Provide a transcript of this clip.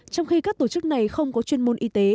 trong khi các tổ chức này không có chuyên môn y tế